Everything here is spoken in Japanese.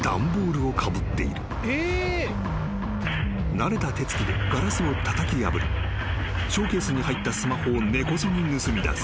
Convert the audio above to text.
［慣れた手つきでガラスをたたき破りショーケースに入ったスマホを根こそぎ盗みだす］